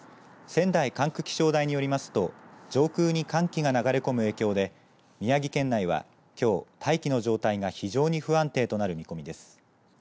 仙台管区気象台によりますと上空に寒気が流れ込む影響で宮城県内はきょう、大気の状態が非常に不安定となる見込みです。